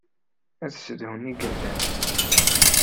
Ad ssedhun igerdan.